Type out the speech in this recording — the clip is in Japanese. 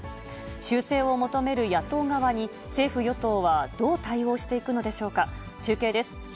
修正を求める野党側に、政府・与党はどう対応していくのでしょうか。